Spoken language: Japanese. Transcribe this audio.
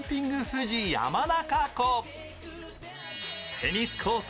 テニスコート